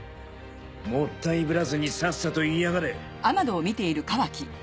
もったいぶらずにさっさと言いやがれ。